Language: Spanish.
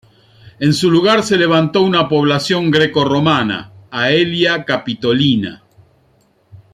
En su lugar se levantó una población greco-romana, Aelia Capitolina.